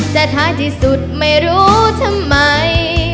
แต่ท้ายที่สุดไม่รู้ทำไม